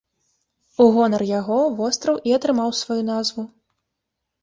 У гонар яго востраў і атрымаў сваю назву.